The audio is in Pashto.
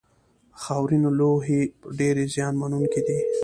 خاورینې لوحې ډېرې زیان منونکې دي.